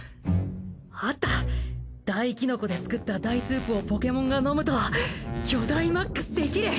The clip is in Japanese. あったダイキノコで作ったダイスープをポケモンが飲むとキョダイマックスできる。